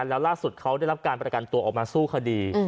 แล้วล่าสุดเขาได้รับการประกันตัวออกมาสู้คดี